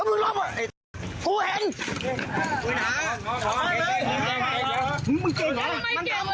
มึงแหลงใช่ไหม